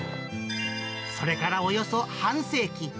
それからおよそ半世紀。